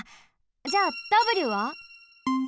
じゃあＷは？